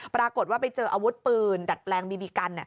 ปรากฏว่าไปเจออาวุธปืนดัดแปลงบีบีกัน